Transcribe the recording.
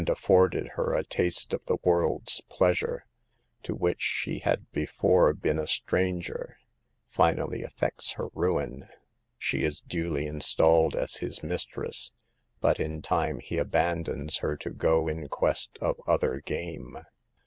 afforded her a taste of the world's pleasure, to which she had before been a stranger, finally effects her ruin, she is duly installed as his mistress, but in time he abandons her to go in quest of other game.